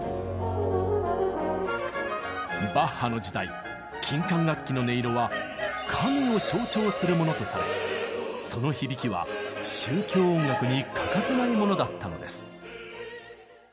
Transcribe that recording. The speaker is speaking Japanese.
バッハの時代金管楽器の音色は神を象徴するものとされその響きは宗教音楽に欠かせないものだったのです。